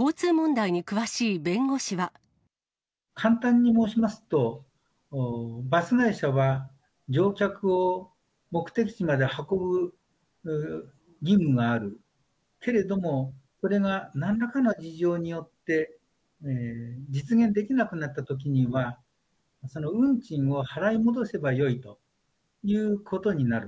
簡単に申しますと、バス会社は乗客を目的地まで運ぶ義務がある、けれども、それがなんらかの事情によって、実現できなくなったときには、運賃を払い戻せばよいということになる。